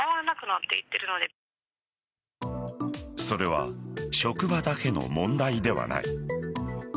それは職場だけの問題ではない。